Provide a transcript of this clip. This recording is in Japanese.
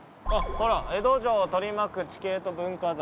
ほら「江戸城を取り巻く地形と文化財」